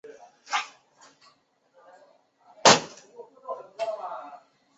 仁娣柯铠虾为铠甲虾科柯铠虾属下的一个种。